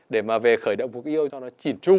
để mà về khởi động cuộc yêu cho nó chỉn trung